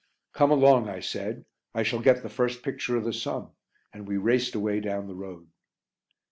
"Come along," I said, "I shall get the first picture of the Somme," and we raced away down the road.